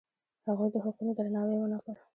هغوی د حقونو درناوی ونه کړ.